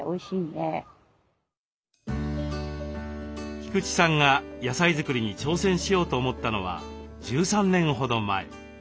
菊池さんが野菜作りに挑戦しようと思ったのは１３年ほど前。